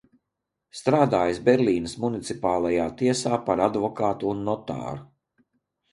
Strādājis Berlīnes municipālajā tiesā par advokātu un notāru.